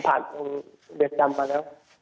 ผมผ่านกลุ่มเบียดจำมาแล้ว